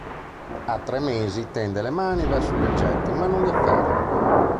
A tre mesi tende le mani verso gli oggetti ma non li afferra.